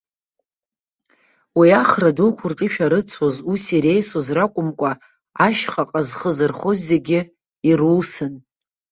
Уи ахра дуқәа рҿы ишәарыцоз, ус иреисоз ракәымкәа, ашьхаҟа зхы зырхоз зегьы ирусын.